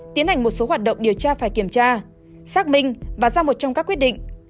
tiến hành một số hoạt động điều tra phải kiểm tra xác minh và ra một trong các quyết định